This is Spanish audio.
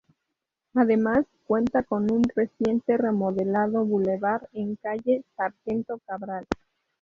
Además cuenta con un reciente remodelado bulevar en calle Sargento Cabral.